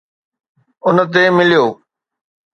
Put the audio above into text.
ان تي مليو